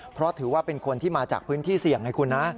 เพราะถือว่าเป็นคนที่มาจากพื้นที่เสี่ยงไงคุณนะ